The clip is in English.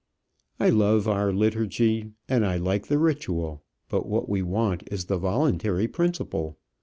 "I love our liturgy, and I like the ritual; but what we want is the voluntary principle.